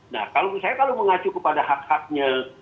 nah kalau menurut saya kalau mengacu kepada hak haknya